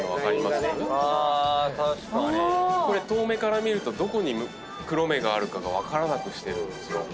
これ遠目から見るとどこに黒目があるかが分からなくしてるんですよ。